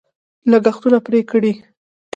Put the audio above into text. لګښتونه پرې کړي.